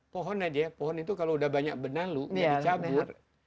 pohon aja ya pohon itu kalau udah banyak benalu yang dicabur